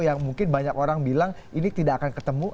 yang mungkin banyak orang bilang ini tidak akan ketemu